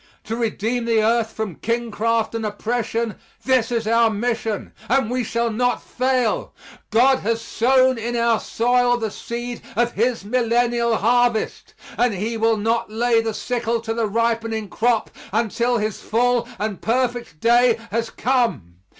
To redeem the earth from kingcraft and oppression this is our mission! And we shall not fail. God has sown in our soil the seed of His millennial harvest, and He will not lay the sickle to the ripening crop until His full and perfect day has come.